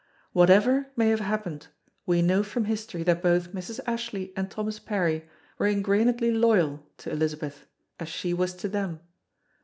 Whatever may have happened we know from history that both Mrs. Ashley and Thomas Parry were ingrainedly loyal to Elizabeth, as she was to them.